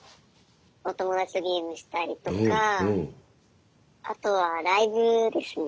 お友達とゲームしたりとかあとはライブですね。